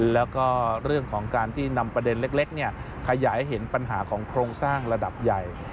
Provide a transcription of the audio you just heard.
แล้วก็เรื่องของการที่นำประเด็นเล็กขยายเห็นปัญหาของโครงสร้างระดับใหญ่